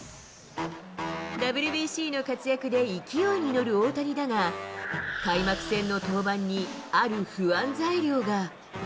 ＷＢＣの活躍で勢いに乗る大谷だが、開幕戦の登板に、ある不安材料が。